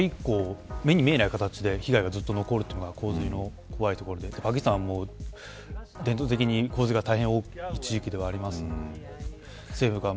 今、インフラとかにしても目に見えない形で被害がずっと残るのが洪水の怖いところでパキスタンは、伝統的に洪水が多い地域ではあります。